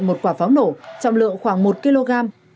một quả pháo nổ trọng lượng khoảng một kg